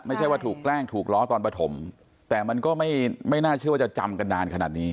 ไม่ใช่ว่าถูกแกล้งถูกล้อตอนปฐมแต่มันก็ไม่น่าเชื่อว่าจะจำกันนานขนาดนี้